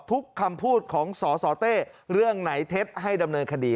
คำพูดของสสเต้เรื่องไหนเท็จให้ดำเนินคดี